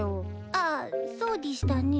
ああそうでぃしたね。